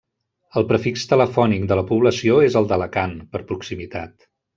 El prefix telefònic de la població és el d'Alacant, per proximitat.